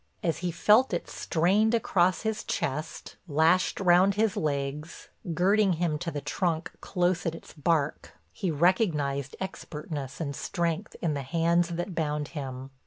As he felt it strained across his chest, lashed round his legs, girding him to the trunk close at its bark, he recognized expertness and strength in the hands that bound him.